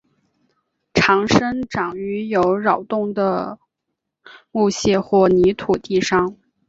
常生长于有扰动的木屑或泥土地上。